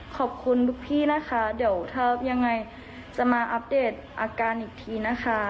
ขอบคุณทุกพี่นะคะเดี๋ยวถ้ายังไงจะมาอัปเดตอาการอีกทีนะคะ